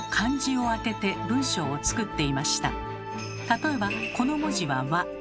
例えばこの文字は「わ」